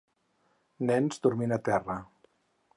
Nens dormint a terra.